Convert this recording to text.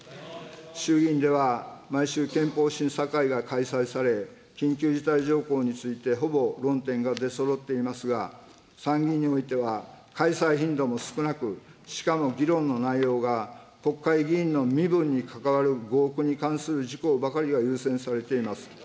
衆議院では毎週憲法審査会が開催され、緊急事態条項について、ほぼ論点が出そろっていますが、参議院においては開催頻度も少なく、しかも議論の内容が国会議員の身分に関わる合区に関する事項ばかりが優先されています。